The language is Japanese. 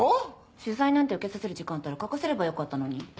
⁉取材なんて受けさせる時間あったら描かせればよかったのに。